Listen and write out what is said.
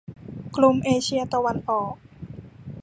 กรมเอเชียตะวันออก